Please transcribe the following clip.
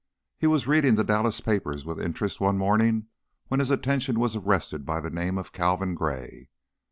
He was reading the Dallas papers with interest one morning when his attention was arrested by the name of Calvin Gray.